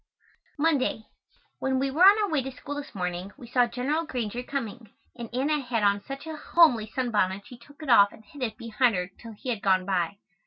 Monday. When we were on our way to school this morning we saw General Granger coming, and Anna had on such a homely sunbonnet she took it off and hid it behind her till he had gone by.